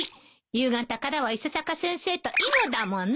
夕方からは伊佐坂先生と囲碁だもの。